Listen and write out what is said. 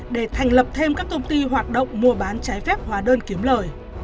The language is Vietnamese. để thành lập thêm các công ty hoạt động mua bán trái phép hóa đơn kiếm lời